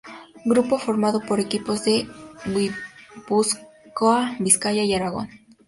Grupo formado por equipos de Guipúzcoa, Vizcaya y Aragón.